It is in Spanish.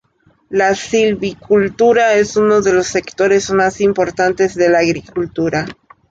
La silvicultura es uno de los sectores más importantes de la agricultura.